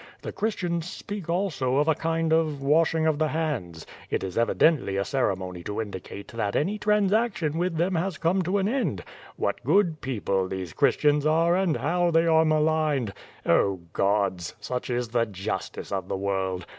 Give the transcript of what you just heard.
The Christians speak also of a kind of washing of the hands. It is evidently a ceremony to indicate that any transaction with them has come to end. What good people these Christians are, and how they are maligned! Oh, gods! such is the jus tice of the world.